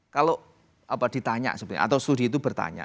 kalau ditanya sebenarnya atau studi itu bertanya